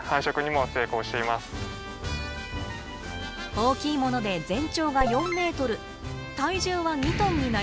大きいもので全長が４ｍ体重は２ｔになります。